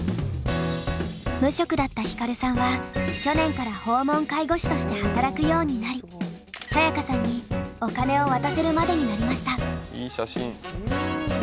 無職だったヒカルさんは去年から訪問介護士として働くようになりサヤカさんにお金を渡せるまでになりました。